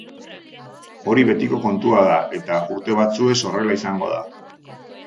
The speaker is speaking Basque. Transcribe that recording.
Hori betiko kontua da eta urte batzuez horrela izango da.